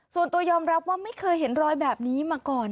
ส่วนตัวยอมรับว่าไม่เคยเห็นรอยแบบนี้มาก่อน